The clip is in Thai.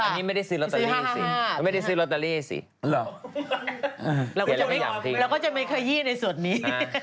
ใช่ค่ะคือ๕๕๕ไม่ได้ซื้อโรตาลีสิแล้วก็ไม่ขยี้ในส่วนนี้